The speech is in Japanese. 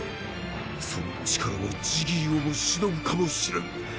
その力はジギーをもしのぐかもしれん。